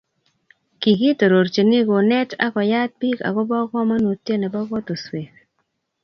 kikitoorchini kunet ak koyaat biik akobo komonutie nebo kotoswek